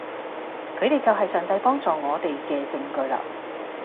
佢哋就係上帝幫助我哋嘅證據嘞